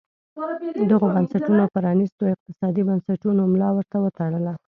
دغو بنسټونو پرانیستو اقتصادي بنسټونو ملا ور وتړله.